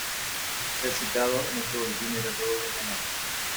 Ser citado en este boletín era todo un honor.